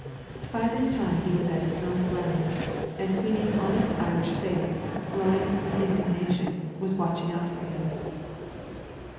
By this time he was at his own grounds, and Sweeney's honest Irish face, glowing with indignation, was watching out for him.